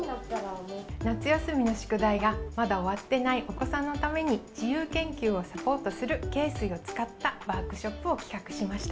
夏休みの宿題がまだ終わってないお子さんのために、自由研究をサポートする恵水を使ったワークショップを企画しました。